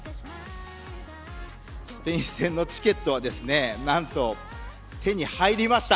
スペイン戦のチケットは何と、手に入りました。